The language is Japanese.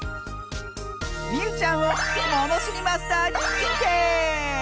みうちゃんをものしりマスターににんてい！